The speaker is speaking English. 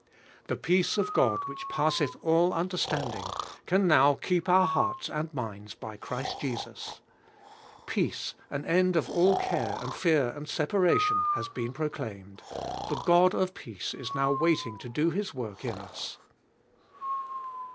The peace of God, which passeth all understanding, can now keep our hearts and minds by Christ Jesus. Peace, an end of all care and fear and separation, has been proclaimed; the God of peace is now waiting to do His work in us.